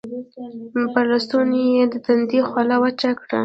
پۀ لستوڼي يې د تندي خوله وچه کړه